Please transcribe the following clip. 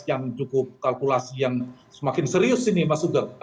yang cukup kalkulasi yang semakin serius ini mas sugeng